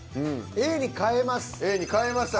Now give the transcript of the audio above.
Ａに変えました。